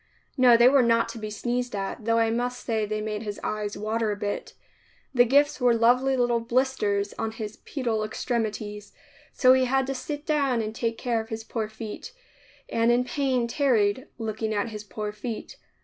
No, they were not to be sneezed at, though I must say they made his eyes water a bit. The gifts were lovely little blisters on his pedal extremities, so he had to sit down and take care of his poor feet and in pain tarried, looking at his poor feet.